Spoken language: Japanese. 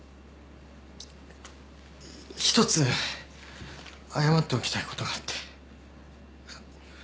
一つ謝っておきたいことがあって。